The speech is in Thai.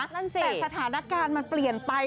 แต่สถานการณ์มันเปลี่ยนไป